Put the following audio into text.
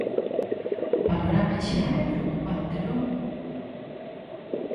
O panorama en xeral é preocupante, logo?